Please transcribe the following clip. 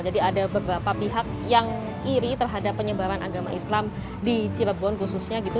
ada beberapa pihak yang iri terhadap penyebaran agama islam di cilegon khususnya gitu